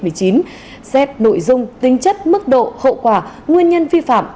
hai xem xét nội dung tính chất mức độ hậu quả nguyên nhân vi phạm